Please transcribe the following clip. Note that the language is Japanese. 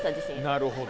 なるほど。